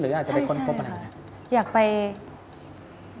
หรืออาจจะเป็นคนพบกันหรือ